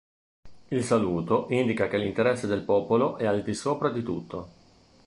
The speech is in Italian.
Il saluto indica che l'interesse del popolo è al di sopra di tutto.